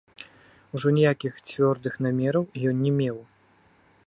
Ужо ніякіх цвёрдых намераў ён не меў.